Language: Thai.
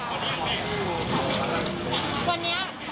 เขาก็เลยได้รับทุกอย่างที่หลังไหลกลับเข้ามา